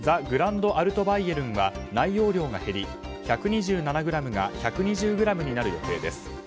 アルトバイエルンは内容量が減り１２７ｇが１２０ｇになる予定です。